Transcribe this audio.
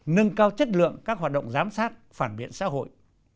nâng cao chất lượng các hoạt động giám sát phản biện xã hội